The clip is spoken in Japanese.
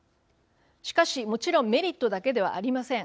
しかしもちろんメリットだけではありません。